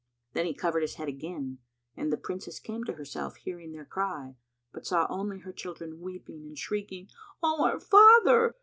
Then he covered his head again and the Princess came to herself, hearing their cry, but saw only her children weeping and shrieking, "O our father!"